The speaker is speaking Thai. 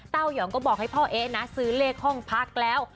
ยองก็บอกให้พ่อเอ๊ะนะซื้อเลขห้องพักแล้ว